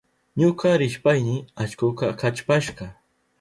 Ñuka rishpayni allkuka kallpashka.